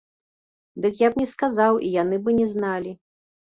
Дык я б не сказаў, і яны бы не зналі.